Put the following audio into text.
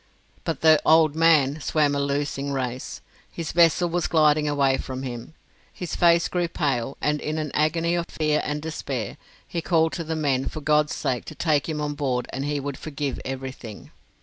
But the "old man" swam a losing race. His vessel was gliding away from him: his face grew pale, and in an agony of fear and despair, he called to the men for God's sake to take him on board and he would forgive everything.